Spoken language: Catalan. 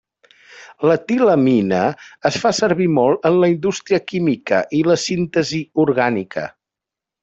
L'etilamina es fa servir molt en la indústria química i la síntesi orgànica.